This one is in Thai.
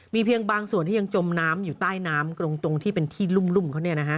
เพียงบางส่วนที่ยังจมน้ำอยู่ใต้น้ำตรงที่เป็นที่รุ่มเขา